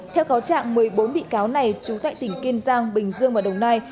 theo cáo trạng một mươi bốn bị cáo này trú tại tỉnh kiên giang bình dương và đồng nai